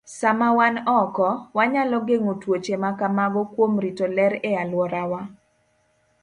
Sama wan oko, wanyalo geng'o tuoche ma kamago kuom rito ler e alworawa.